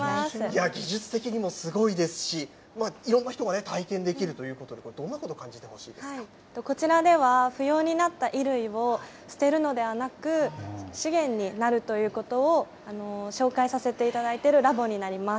技術的にもすごいですし、いろんな人が体験できるということで、こちらでは、不用になった衣類を捨てるのではなく、資源になるということを、紹介させていただいているラボになります。